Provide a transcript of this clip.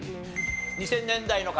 ２０００年代の方？